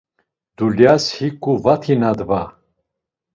Dulyas hiǩu vati nadva.